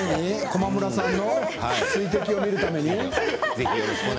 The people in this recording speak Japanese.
駒村さんの水滴を見るために？